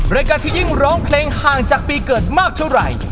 รายการที่ยิ่งร้องเพลงห่างจากปีเกิดมากเท่าไหร่